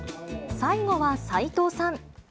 最後は斉藤さん。